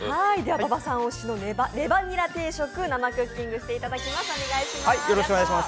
馬場さん推しのレバニラ定食、生クッキングしていただきます。